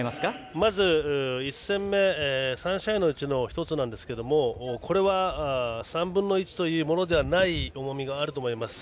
まず、１戦目３試合のうちの１つなんですがこれは３分の１というものではない重みがあると思います。